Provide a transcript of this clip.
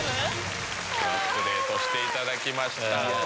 アップデートしていただきました。